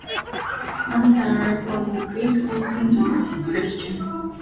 Ansara was a Greek Orthodox Christian.